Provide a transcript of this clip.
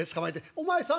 『お前さん』。